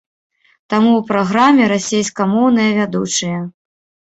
Таму ў праграме расейскамоўныя вядучыя.